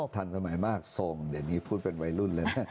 ทันสมัยมากทรงอย่างนี้พูดเป็นวัยรุ่นเลยนะ